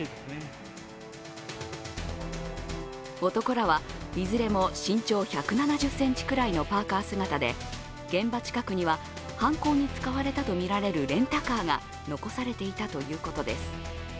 男らはいずれも身長１７０ｃｍぐらいのパーカ姿で、現場近くには犯行に使われたとみられるレンタカーが残されていたということです。